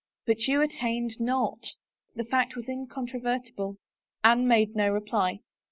" But you attained not." The fact was incontrovertible. Anne made no reply.